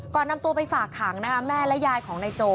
นำตัวไปฝากขังนะคะแม่และยายของนายโจ